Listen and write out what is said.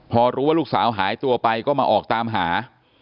พอรู้ว่าลูกสาวหายตัวไปก็มาออกตามหา